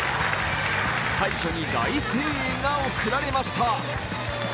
快挙に大声援が贈られました。